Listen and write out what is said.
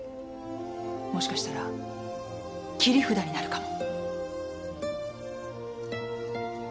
もしかしたら切り札になるかも。